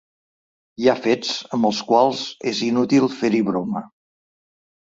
Hi ha fets amb els quals és inútil fer-hi broma.